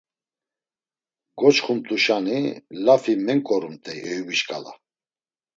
Goçxumt̆uşani lafi menǩorumt̆ey Eyubi şǩala.